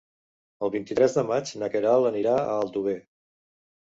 El vint-i-tres de maig na Queralt anirà a Aldover.